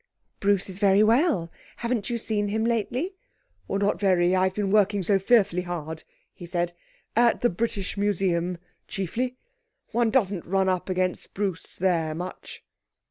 'Bruce is very well. Haven't you seen him lately?' 'Not very. I've been working so fearfully hard,' he said; 'at the British Museum chiefly. One doesn't run up against Bruce there much.'